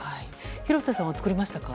廣瀬さんは作りましたか？